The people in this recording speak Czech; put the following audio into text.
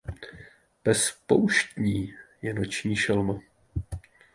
Pes pouštní je noční šelma.